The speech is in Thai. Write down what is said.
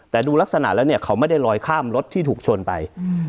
แต่ดูลักษณะแล้วเนี่ยเขาไม่ได้ลอยข้ามรถที่ถูกชนไป